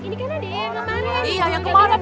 ini kan ada yang kemarin